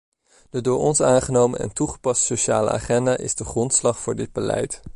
De door ons aangenomen en toegepaste sociale agenda is de grondslag voor dit beleid.